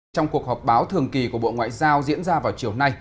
trong cuộc họp báo thường kỳ của bộ ngoại giao diễn ra vào chiều nay